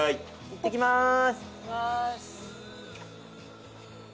行ってきます。